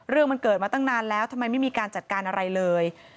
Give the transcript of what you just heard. เรื่องมันเกิดมาตั้งนานแล้วทำไมไม่มีการจัดการอะไรเลย